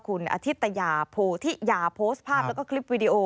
คุณอธิตยาโพธิยาโพสต์ภาพแล้วก็คลิปวิดีโอ